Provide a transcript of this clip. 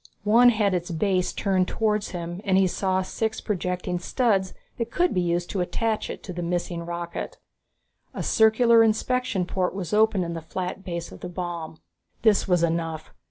One had its base turned towards him, and he saw six projecting studs that could be used to attach it to the missing rocket. A circular inspection port was open in the flat base of the bomb. This was enough.